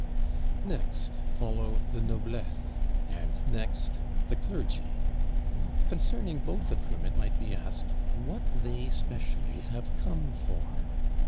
Next follow the Noblesse, and next the Clergy; concerning both of whom it might be asked What they specially have come for.